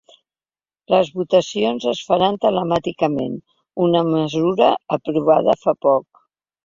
Les votacions es faran telemàticament, una mesura aprovada fa poc.